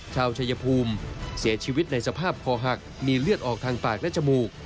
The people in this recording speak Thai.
ชายภูมิเสียชีวิตในสภาพคอหักมีเลือดออกทางปากและจมูก